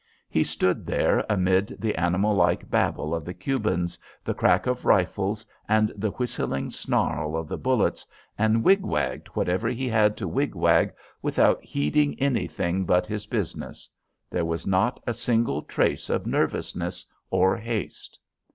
He stood there amid the animal like babble of the Cubans, the crack of rifles, and the whistling snarl of the bullets, and wig wagged whatever he had to wig wag without heeding anything but his business. There was not a single trace of nervousness or haste.